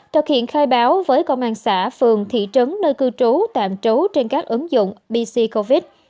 thực hiện khai báo với công an xã phường thị trấn nơi cư trú tạm trú trên các ứng dụng bc covid